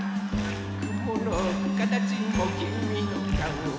「くものかたちもきみのかお」